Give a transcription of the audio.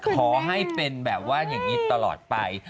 ขอให้เป็นแบบว่าอย่างนี้ตลอดไป